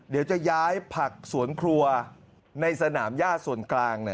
เดี๋ยวจะย้ายผักสวนครัวในสนามย่าส่วนกลาง